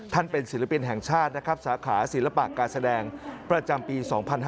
ท่านเป็นศิลปินแห่งชาตินะครับสาขาศิลปะการแสดงประจำปี๒๕๕๙